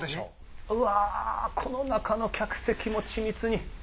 うわぁこの中の客席も緻密に。